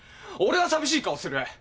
俺は寂しい顔する！